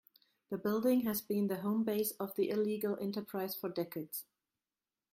The building has been the home base of the illegal enterprise for decades.